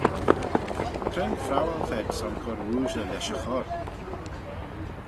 Cre'n phrowal t'ayd son cur ooashley lesh y chorp?